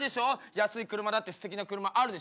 安い車だってすてきな車あるでしょ。